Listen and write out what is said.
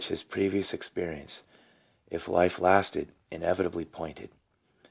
273 his previous experience, if life lasted, inevitably pointed.